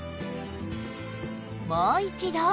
もう一度